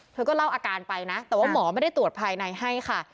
เธอก็เล่าอาการไปนะแต่ว่าหมอไม่ได้ตรวจภายในให้ค่ะ